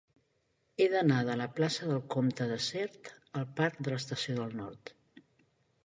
He d'anar de la plaça del Comte de Sert al parc de l'Estació del Nord.